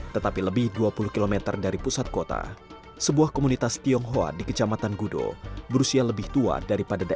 tetapi lebih dua puluh km dari pusat kota sebuah komunitas tionghoa di kecamatan gudo berusia lebih tua daripada daerah